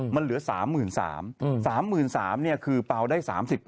มันเหลือ๓๓๐๐๐บาท๓๓๐๐๐บาทเนี่ยคือเปล่าได้๓๐